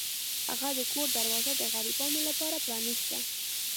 هغه د کور دروازه د غریبانو لپاره پرانیسته.